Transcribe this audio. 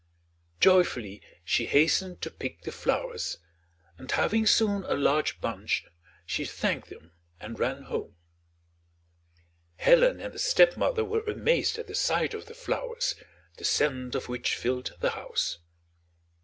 Joyfully she hastened to pick the flowers, and having soon a large bunch she thanked them and ran home. Helen and the stepmother were amazed at the sight of the flowers, the scent of which filled the house.